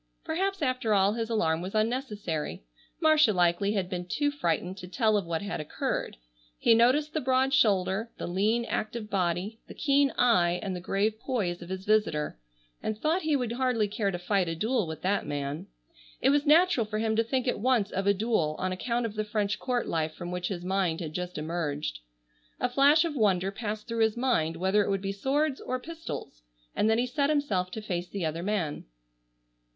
Perhaps after all his alarm was unnecessary. Marcia likely had been too frightened to tell of what had occurred. He noticed the broad shoulder, the lean, active body, the keen eye, and the grave poise of his visitor, and thought he would hardly care to fight a duel with that man. It was natural for him to think at once of a duel on account of the French court life from which his mind had just emerged. A flash of wonder passed through his mind whether it would be swords or pistols, and then he set himself to face the other man.